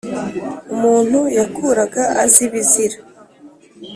Umuntu yakuraga azi ibizira